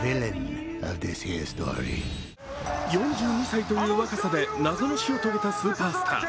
４２歳という若さで謎の死を遂げたスーパースター。